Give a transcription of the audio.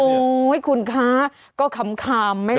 โอ้โฮคุณคะก็คำคามไหมล่ะ